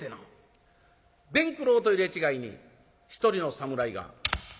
伝九郎と入れ違いに一人の侍が。